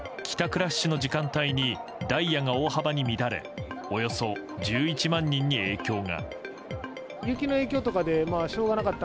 ラッシュの時間帯にダイヤが大幅に乱れおよそ１１万人に影響が。